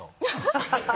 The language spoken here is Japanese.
ハハハハ！